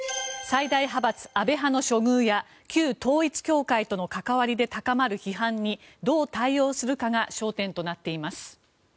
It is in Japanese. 最大派閥・安倍派の処遇や旧統一教会との関わりで高まる批判にどう対応するかが焦点となっています。